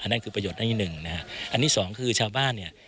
ในคุณประโยชน์ต้นที่๑อันนี้๒คือชาวบ้านเนี่ย